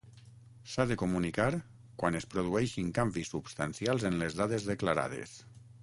S'ha de comunicar quan es produeixin canvis substancials en les dades declarades.